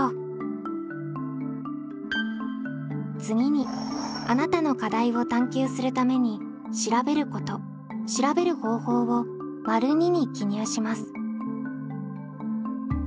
次にあなたの課題を探究するために「調べること」「調べる方法」を②に記入します。